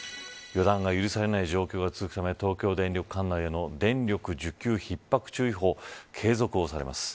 予断が許されない状況が続くため東京電力管内の電力需給ひっ迫注意報継続されます。